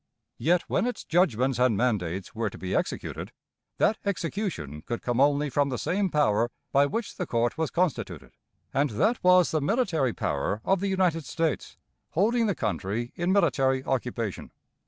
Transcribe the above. Yet, when its judgments and mandates were to be executed, that execution could come only from the same power by which the court was constituted, and that was the military power of the United States holding the country in military occupation.